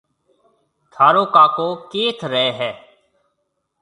ٿارو ڪاڪو ڪيٿ رهيَ هيَ؟